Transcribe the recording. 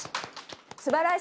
すばらしい！